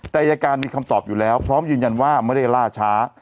แต่อายการมีคำตอบอยู่แล้วพร้อมยืนยันว่าไม่ได้ล่าช้า